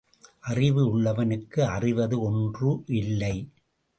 அறிவு உள்ளவனுக்கு அறிவது ஒன்று இல்லை.